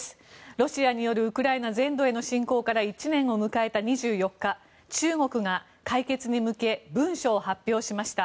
ロシアによるウクライナ全土への侵攻から１年を迎えた２４日中国が解決に向け文書を発表しました。